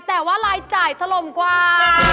แต่ว่ารายจ่ายถล่มกว่า